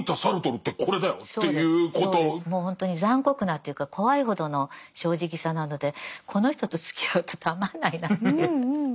もうほんとに残酷なというか怖いほどの正直さなのでこの人とつきあうとたまんないなという。